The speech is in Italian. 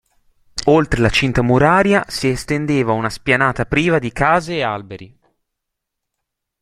Oltre la cinta muraria si estendeva una spianata priva di case a alberi.